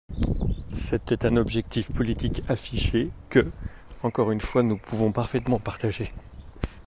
C’était un objectif politique affiché, que, encore une fois, nous pouvons parfaitement partager.